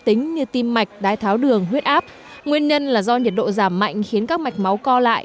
tính như tim mạch đái tháo đường huyết áp nguyên nhân là do nhiệt độ giảm mạnh khiến các mạch máu co lại